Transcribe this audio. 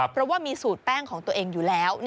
เพราะว่ามีสูตรแป้งของตัวเองอยู่แล้ว